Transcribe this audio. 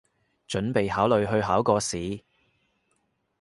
準備考慮去考個試